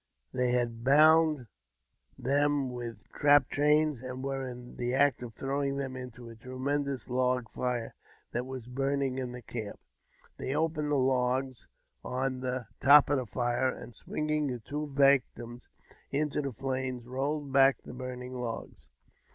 They had bound them with trap chains, anc were in the act of throwing them into a tremendous log fii that was burning in the camp. They opened the logs on the top of the fire, and, swinging the two victims into the flames^l rolled back the burning logs.